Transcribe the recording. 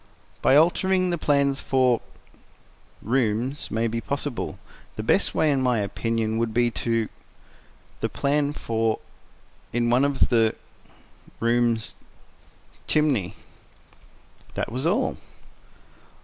"——by altering the plans for——rooms, may be possible. The best way, in my opinion, would be to——the plan for——in one of the——rooms——chimney." That was all.